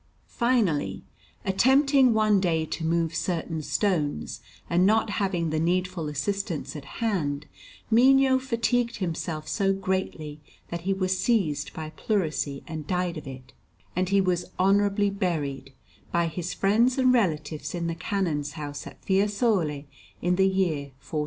Finally, attempting one day to move certain stones, and not having the needful assistance at hand, Mino fatigued himself so greatly that he was seized by pleurisy and died of it; and he was honourably buried by his friends and relatives in the Canon's house at Fiesole in the year 1486.